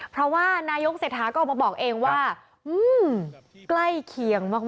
เพราะว่านายกเศรษฐาก็ออกมาบอกเองว่าใกล้เคียงมาก